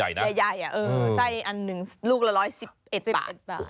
ใหญ่ไส้อันหนึ่งลูกละ๑๑บาท